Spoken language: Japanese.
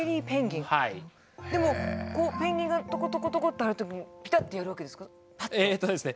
でもこうペンギンがトコトコトコッて歩いてる時にペタッとやるわけですか？